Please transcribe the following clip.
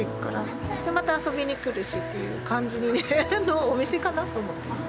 でまた遊びに来るしっていう感じのお店かなと思って。